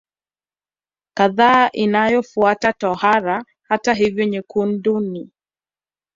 kadhaa inayofuata tohara Hata hivyo nyekundu ni